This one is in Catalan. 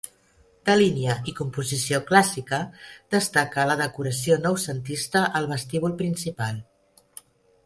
De línia i composició clàssica destaca la decoració noucentista al vestíbul principal.